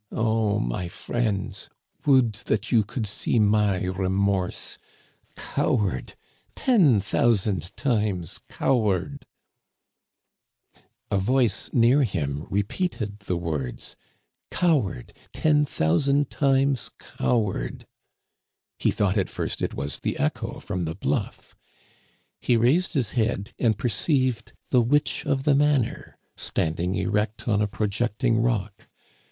Oh, my friends, would that you could see my remorse ! Coward, ten thousand times coward !—" A voice near him repeated the words " Coward, ten thousand times coward !" He thought at first it was the echo from the bluff. He raised his head and per ceived the witch of the manor standing erect on a pro jecting rock.